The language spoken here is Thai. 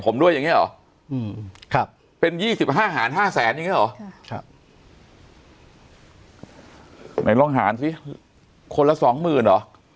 หล่าหานซิคนละสองหมื่นอ๋อ